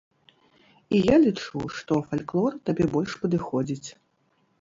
І я лічу, што фальклор табе больш падыходзіць.